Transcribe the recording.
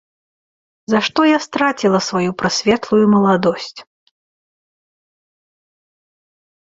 За што я страціла сваю прасветлую маладосць?